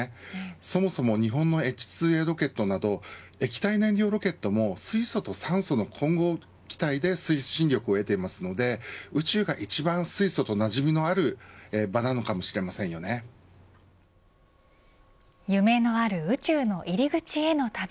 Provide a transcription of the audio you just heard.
そもそも日本のＨ２Ａロケットなど液体燃料ロケットも水素と酸素の混合気体で推進力を得ていますので宇宙が一番、水素となじみがある夢のある宇宙の入り口への旅。